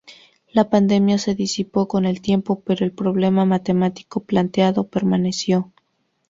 La pandemia se disipó con el tiempo, pero el problema matemático planteado permaneció.